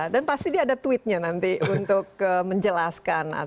dan pasti dia ada tweetnya nanti untuk menjelaskan